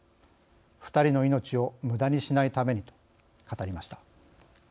２人の命をむだにしないために」と語りました。